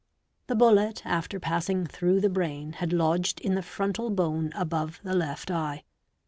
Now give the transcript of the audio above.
The bullet after passing through the brain had lodged in the frontal bone above the left eye.